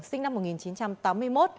sinh năm một nghìn chín trăm tám mươi một